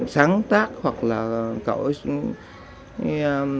sáng tác hoặc là cậu ấy